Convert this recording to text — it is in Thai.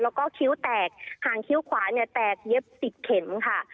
แล้วก็คิ้วแตกหางคิ้วขวาแตกเย็บติดเข็มค่ะ